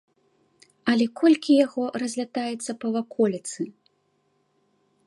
Але колькі яго разлятаецца па ваколіцы!